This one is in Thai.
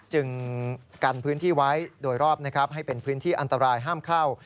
จึงกันพื้นที่ไว้โดยรอบนะครับให้เป็นพื้นที่อันตรายห้ามเข้า